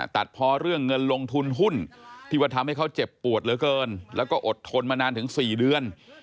ตัดพอเรื่องเงินลงทุนหุ้นที่ว่าทำให้เขาเจ็บปวดเหลือเกินแล้วก็อดทนมานานถึง๔เดือน